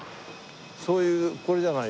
そういうこれじゃない？